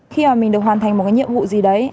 khi mà mình được hoàn thành một cái nhiệm vụ gì đấy